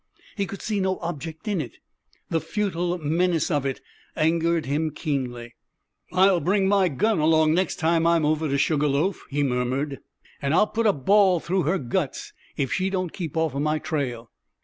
He could see no object in it. The futile menace of it angered him keenly. "I'll bring my gun along next time I'm over to Sugar Loaf," he murmured, "an' I'll put a ball through her guts if she don't keep off my trail!"